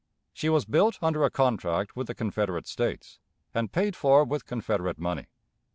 She was built under a contract with the Confederate States, and paid for with Confederate money.